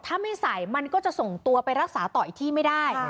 ถ้าไม่ใส่มันก็จะส่งตัวไปรักษาต่ออีกที่ไม่ได้